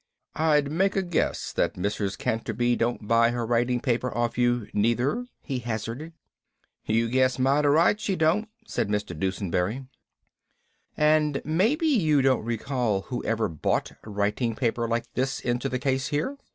"I'd make a guess that Mrs. Canterby don't buy her writing paper off you neither?" he hazarded. "You guess mighty right she don't," said Mr. Dusenberry. "And maybe you don't recall who ever bought writing paper like this into the case here?"